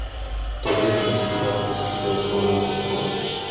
Tomu musíme poskytnout plnou podporu.